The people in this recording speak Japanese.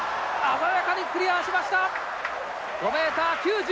鮮やかにクリアしました！